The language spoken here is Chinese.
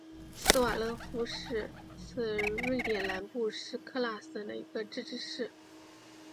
斯瓦勒夫市是瑞典南部斯科讷省的一个自治市。